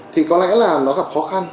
thì có lẽ là nó gặp khó khăn